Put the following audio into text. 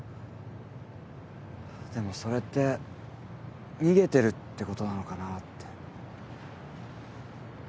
でもそれって逃げてるってことなのかなぁって。